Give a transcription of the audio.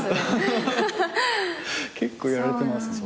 結構やられてますね。